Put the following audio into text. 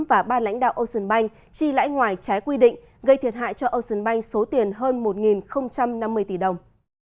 và ba lãnh đạo ocean bank chi lãi ngoài trái quy định gây thiệt hại cho ocean bank số tiền hơn một năm mươi tỷ đồng